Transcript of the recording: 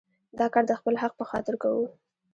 دا کار د خپل حق په خاطر کوو.